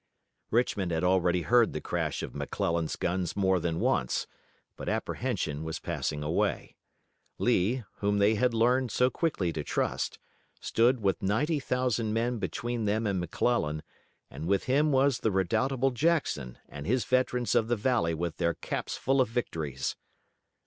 Richmond had already heard the crash of McClellan's guns more than once, but apprehension was passing away. Lee, whom they had learned so quickly to trust, stood with ninety thousand men between them and McClellan, and with him was the redoubtable Jackson and his veterans of the valley with their caps full of victories.